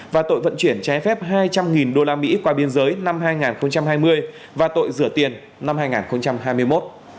và tội vận chuyển trái phép hai trăm linh usd qua biên giới năm hai nghìn hai mươi